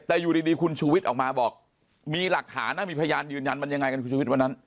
แต่อยู่ดีคุณชูวิทย์ออกมาบอกมีหลักฐานนะมีพยานยืนยันมันยังไงกันคุณชุวิตวันนั้น